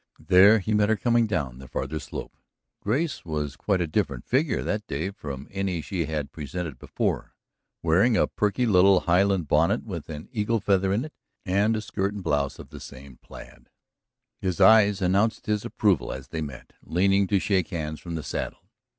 There he met her coming down the farther slope. Grace was quite a different figure that day from any she had presented before, wearing a perky little highland bonnet with an eagle feather in it, and a skirt and blouse of the same plaid. His eyes announced his approval as they met, leaning to shake hands from the saddle.